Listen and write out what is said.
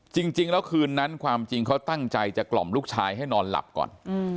จริงแล้วคืนนั้นความจริงเขาตั้งใจจะกล่อมลูกชายให้นอนหลับก่อน